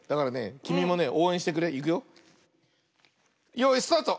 よいスタート！